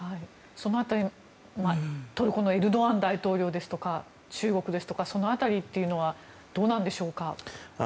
その辺り、トルコのエルドアン大統領ですとか中国ですとか、その辺りはどうなんでしょうか。